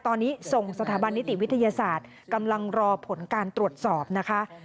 ตอนนี้ส่งสถาบันนิติวิทยาศาสตร์กำลังรอผลการตรวจสอบนะคะ